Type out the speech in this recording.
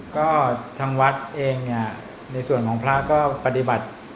ก็ทางวัดเองในสวรรค์ของพระก็ปฏิบัติ